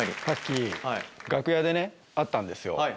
さっき楽屋でね会ったんですよ。